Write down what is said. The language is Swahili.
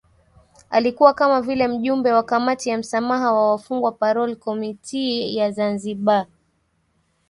Alikuwa kama vile Mjumbe wa Kamati ya Msamaha wa Wafungwa Parole Committee ya Zanzibar